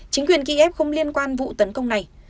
chính quyền kiev không liên quan vụ tấn công này